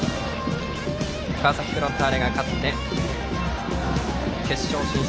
川崎フロンターレが勝って決勝進出